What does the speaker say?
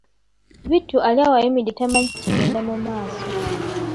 Bittu ali awo ayimiridde tamanyi kigenda mu maaso.